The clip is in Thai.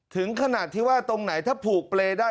ถึงขนาดที่ว่าตรงไหนถ้าผูกเปรย์ได้